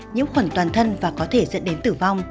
nhiễm khuẩn toàn thân và có thể dẫn đến tử vong